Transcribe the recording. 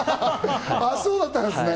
そうだったんですね。